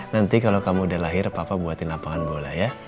nanti kalau kamu udah lahir papa buatin lapangan bola ya